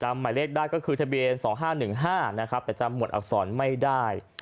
จำหมายเลขได้ก็คือทะเบียนสองห้าหนึ่งห้านะครับแต่จะหมดอักษรไม่ได้